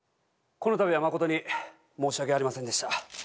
この度は誠に申し訳ありませんでした。